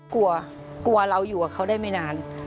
กลัวกลัวเราอยู่กับเขาได้ไม่นาน